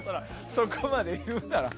そこまで言うなら。